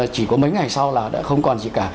chỉ có mấy ngày sau là đã không còn gì cả